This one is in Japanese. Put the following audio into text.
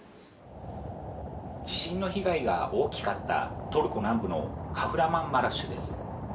地震の被害が大きかったトルコ南部のカフラマンマラシュです。